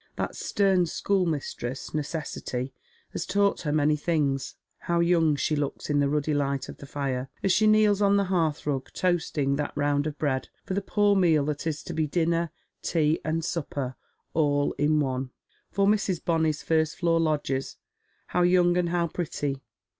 That stern schoolmistress, necessity, has taught her many things. Low young she looks in the ruddy light of the fire, as she kneels on the hearth mg toasting that round of bread for the poor meal That is to be dinner, tea, and supper all in one, for Jlrs. Bonny'a fust floor lodgers I — how young and how pretty